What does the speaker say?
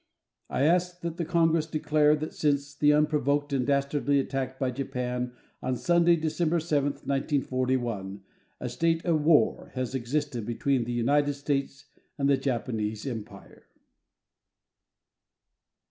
I ask that the Congress declare that since the unprovoked and dastardly attack by Japan on Sunday, December 7th, 1941, a state of war has existed between the United States and the Japanese empire.